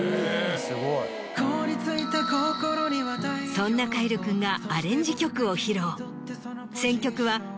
そんな凱成君がアレンジ曲を披露。